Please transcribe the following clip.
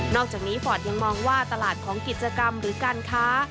อกจากนี้ฟอร์ตยังมองว่าตลาดของกิจกรรมหรือการค้า